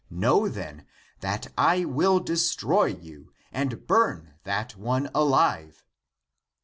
Know, then, that I will destroy you and burn that one alive."